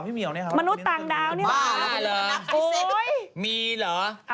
หมรุสต่างดาวนี่แหละ